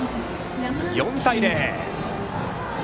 ４対０。